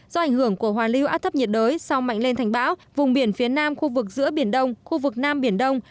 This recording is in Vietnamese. do ảnh hưởng của hòa lưu áp thấp nhiệt đới sau mạnh lên thành bão vùng biển phía nam khu vực giữa biển đông khu vực nam biển đông